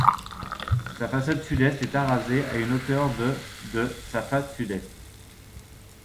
Sa façade sud-est est arasée à une hauteur de de sa face sud-est.